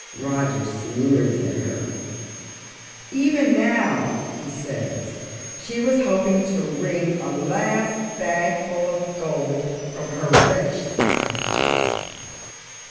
Roger sneers at her. "Even now," he says, "she was hoping to wring a last bag full of gold from her wretched country."